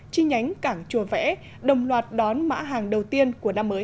chi nhánh cảng chùa vẽ đồng loạt đón mã hàng đầu tiên của năm mới hai nghìn một mươi tám